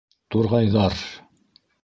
Турғайҙар!